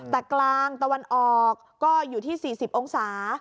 แต่กลางตะวันออกก็อยู่ที่๔๐องศา